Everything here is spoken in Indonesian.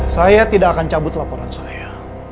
saya tidak akan cabut laporan saya